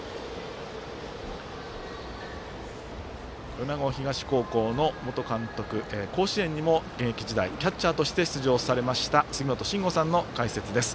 米子東高校の元監督甲子園にも現役時代、キャッチャーとして出場されました杉本真吾さんの解説です。